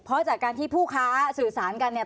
เพราะจากการที่ผู้ค้าสื่อสารกันเนี่ย